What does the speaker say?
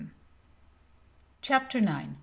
CHAPTER IX.